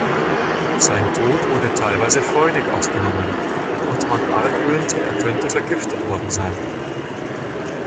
Sein Tod wurde teilweise freudig aufgenommen und man argwöhnte, er könnte vergiftet worden sein.